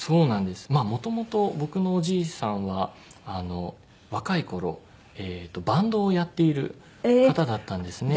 もともと僕のおじいさんは若い頃バンドをやっている方だったんですね。